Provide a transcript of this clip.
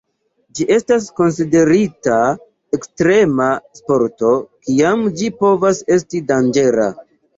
Ĝi estas konsiderita ekstrema sporto, kiam ĝi povas esti danĝera.